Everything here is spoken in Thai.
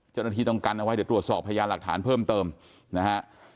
เจ้าหน้าที่ต้องกันเอาไว้เดี๋ยวตรวจสอบพยานหลักฐานเพิ่มเติมนะฮะ